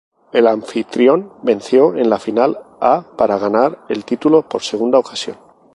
El anfitrión venció en la final a para ganar el título por segunda ocasión.